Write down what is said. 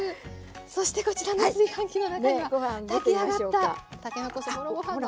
そしてこちらの炊飯器の中には炊き上がったたけのこそぼろご飯が。